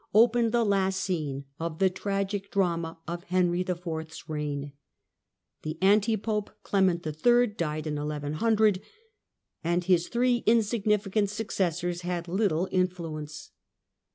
opened the last scene of the tragic drama of Henry IV.'s reign. The anti pope Clement III. died in 1100, and his tliree insignificant successors had little influence.